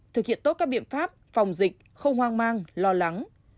thực hiện tốt các biện pháp phòng dịch không hoang mang lo lắng